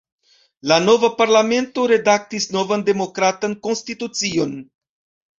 La nova Parlamento redaktis novan demokratan konstitucion.